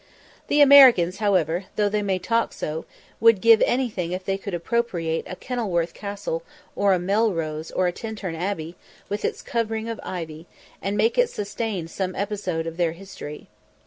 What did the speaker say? The Americans, however, though they may talk so, would give anything if they could appropriate a Kenilworth Castle, or a Melrose or a Tintern Abbey, with its covering of ivy, and make it sustain some episode of their history.